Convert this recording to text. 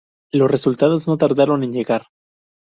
Los resultados no tardaron en llegar.